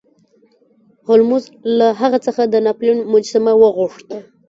هولمز له هغه څخه د ناپلیون مجسمه وغوښته.